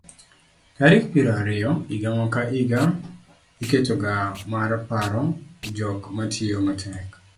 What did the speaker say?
tarik piero ariyo higa ka higa iketoga mar paro jok matiyo matek